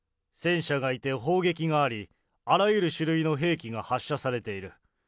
戦車がいて砲撃があり、あらゆる種類の兵器が発射されている。